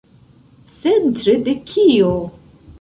Centre de kio?